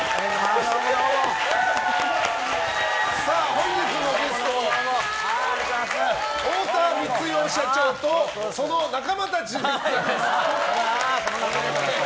本日のゲスト、太田光代社長とその仲間たちです！